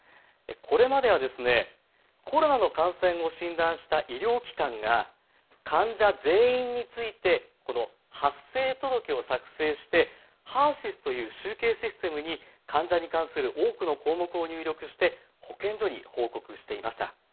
これまではコロナの感染を診断した医療機関が患者全員について発生届を作成してＨＥＲーＳＹＳという集計システムに患者に関する多くの項目を入力して保健所に報告していました。